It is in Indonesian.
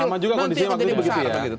nanti akan jadi besar